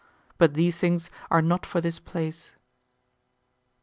But these things are not for this place.